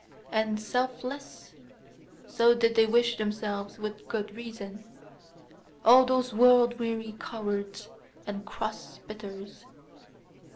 And "selfless" so did they wish themselves with good reason, all those world weary cowards and cross spiders!